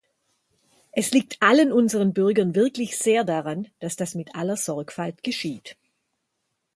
Es liegt allen unseren Bürgern wirklich sehr daran, dass das mit aller Sorgfalt geschieht.